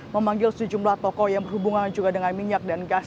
memanggil sejumlah toko yang berhubungan juga dengan minyak dan gas